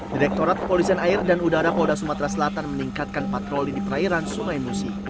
direkturat polisian air dan udara polda subatra selatan meningkatkan patroli di perairan sungai musi